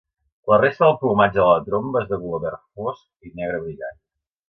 La resta del plomatge de la tromba és de color verd fosc i negre brillant.